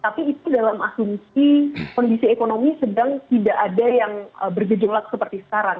tapi itu dalam asumsi kondisi ekonomi sedang tidak ada yang bergejolak seperti sekarang